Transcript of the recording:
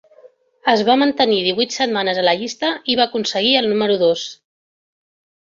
Es va mantenir divuit setmanes a la llista i va aconseguir el número dos.